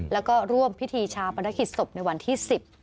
แล้วก็ร่วมพิธีชาปนกิจศพในวันที่๑๐